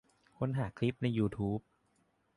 ค้นหาคลิปในยูทูบ